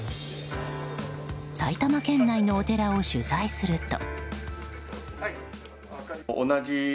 埼玉県内のお寺を取材すると。